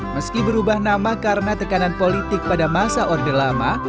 meski berubah nama karena tekanan politik pada masa orde lama